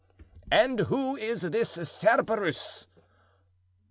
"And who is this Cerberus?"